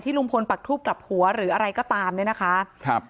ที่ลุงพลปัดทวบกลับหัวหรืออะไรก็ตามนะคะครับ